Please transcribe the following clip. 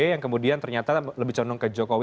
yang kemudian ternyata lebih condong ke jokowi